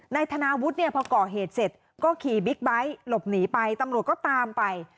นายธนาวุฒิเนี่ยพอก่อเหตุเสร็จก็ขี่บิ๊กไบท์หลบหนีไปตำรวจก็ตามไป